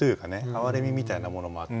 哀れみみたいなものもあって。